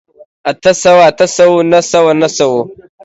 اته سوو، اتو سوو، نهه سوو، نهو سوو